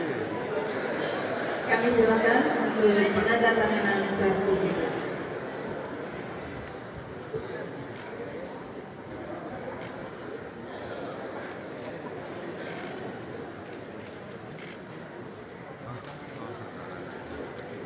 terima kasih banyak